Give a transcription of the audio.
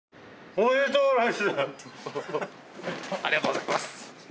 ありがとうございます。